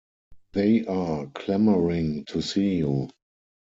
They are clamouring to see you.